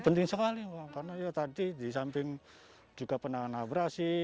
penting sekali mbak karena ya tadi di samping juga penahan abrasi